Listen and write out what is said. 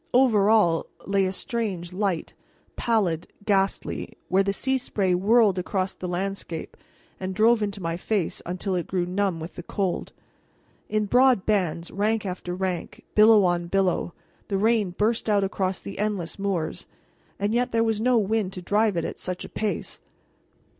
Over all lay a strange light, pallid, ghastly, where the sea spray whirled across the landscape and drove into my face until it grew numb with the cold. In broad bands, rank after rank, billow on billow, the rain burst out across the endless moors, and yet there was no wind to drive it at such a pace.